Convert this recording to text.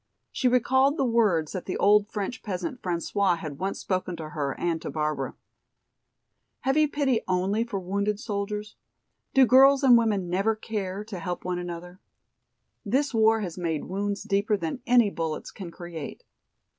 She recalled the words that the old French peasant, François, had once spoken to her and to Barbara. "Have you pity only for wounded soldiers? Do girls and women never care to help one another? This war has made wounds deeper than any bullets can create."